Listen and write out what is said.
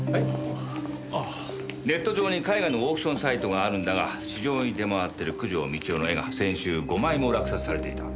ネット上に絵画のオークションサイトがあるんだが市場に出回ってる九条美千代の絵が先週５枚も落札されていた。